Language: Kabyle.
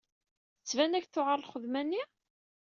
Tettban-ak-d tewɛer lxedma-nni?